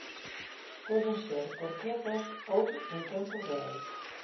Poden ser por quedas ou en tempo real.